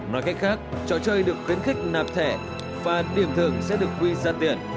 nói cách khác trò chơi được khuyến khích nạp thẻ và điểm thưởng sẽ được quy ra tiền